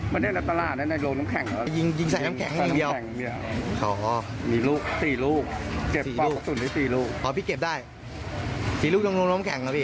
เพื่อนน้องเขาก็ไปส่งทางแก่